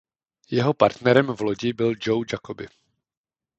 Jeho partnerem v lodi byl Joe Jacobi.